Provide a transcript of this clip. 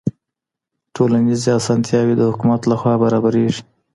ټولنیز اسانتیاوې د حکومت لخوا برابریږي.